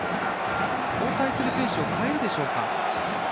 交代する選手を変えるでしょうか。